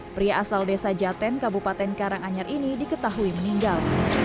pria asal desa jaten kabupaten karanganyar ini diketahui meninggal